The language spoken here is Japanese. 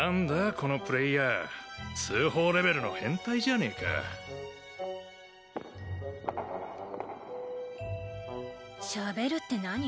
このプ通報レベルの変態じゃねぇか「喋る」って何？